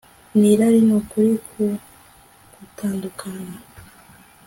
n'irari n'ukuri ku gutandukana